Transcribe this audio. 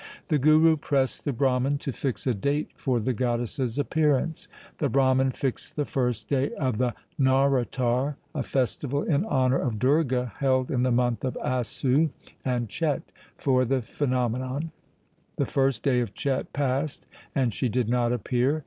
The Guru pressed the Brahman to fix a date for the goddess's appearance. The Brahman fixed the first day of the Nauratar — a festival in honour of Durga held in the month of Assu and Chet — for the pheno menon. The first day of Chet passed, and she did not appear.